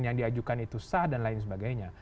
yang diajukan itu sah dan lain sebagainya